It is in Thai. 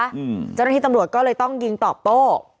เจ้าหน้าที่ตำรวจก็เลยต้องยิงตอบโต้